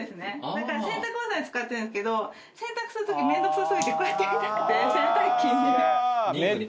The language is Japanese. だから洗濯バサミ使ってるんですけど洗濯する時面倒くさすぎてこうやってやりたくて洗濯機に。